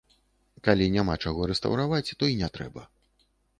Калі няма чаго рэстаўраваць, то і не трэба.